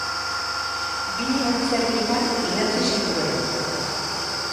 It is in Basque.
Bi antzerki lan idatzi zituen.